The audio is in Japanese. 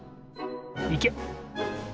いけ！